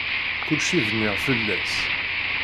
Kulci bniɣ fell-as.